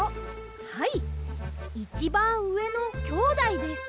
はいいちばんうえのきょうだいです。